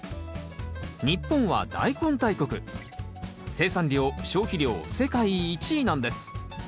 生産量消費量世界１位なんです。